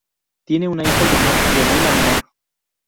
Tiene una hija llamada Leonela Amor.